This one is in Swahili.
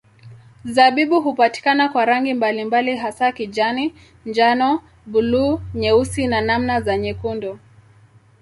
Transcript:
Zabibu hupatikana kwa rangi mbalimbali hasa kijani, njano, buluu, nyeusi na namna za nyekundu.